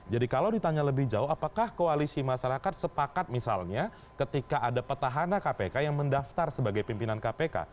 jadi kalau ditanya lebih jauh apakah koalisi masyarakat sepakat misalnya ketika ada petahana kpk yang mendaftar sebagai pimpinan kpk